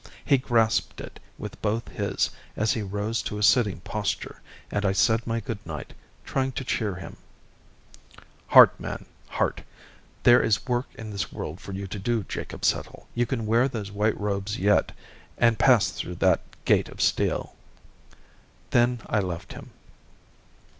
He grasped it with both his as he rose to a sitting posture, and I said my goodnight, trying to cheer him: "Heart, man, heart! There is work in the world for you to do, Jacob Settle. You can wear those white robes yet and pass through that gate of steel!" Then I left him.